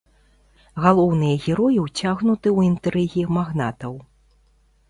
Галоўныя героі ўцягнуты ў інтрыгі магнатаў.